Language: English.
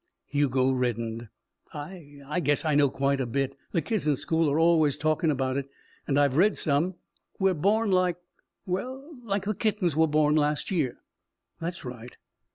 Hugo reddened. "I I guess I know quite a bit. The kids in school are always talkin' about it. And I've read some. We're born like well like the kittens were born last year." "That's right."